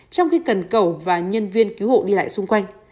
trong khi cần cầu và nhân viên cứu hộ đi lại xung quanh